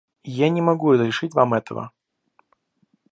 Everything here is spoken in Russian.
Я не могу разрешить Вам этого.